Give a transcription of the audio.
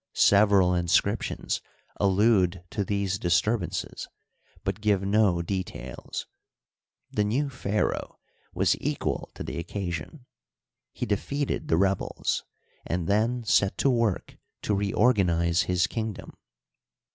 Several inscriptions allude to these disturbances, but give no details. The new pharaoh was equal to the occasion ; he defeated the rebels, and then set to work to reorganize his kingdom.